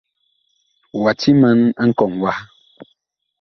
Wa timan a nkɔŋ waha.